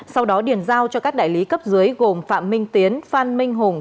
sau đó điền giao cho các đại lý cấp dưới gồm phạm minh tiến phan minh hùng